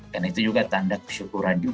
karena itu juga tanda kesyukuran